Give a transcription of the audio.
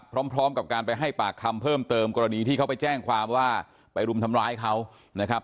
พร้อมกับการไปให้ปากคำเพิ่มเติมกรณีที่เขาไปแจ้งความว่าไปรุมทำร้ายเขานะครับ